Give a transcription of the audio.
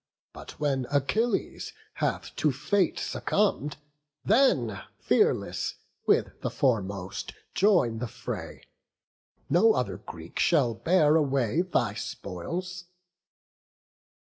But when Achilles hath to fate succumb'd, Then, fearless, with the foremost join the fray: No other Greek shall bear away thy spoils."